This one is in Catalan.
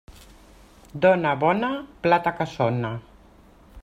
Dona bona, plata que sona.